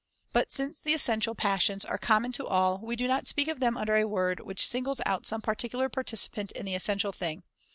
But since the essential passions are common to all we do not speak of them under a word which singles out some particular participant in the XI. THE THIRD TREATISE 197 essential thing.